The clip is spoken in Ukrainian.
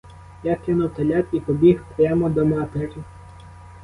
Я кинув телят і побіг прямо до матері.